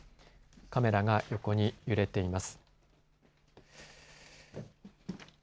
カメラが横に揺れています。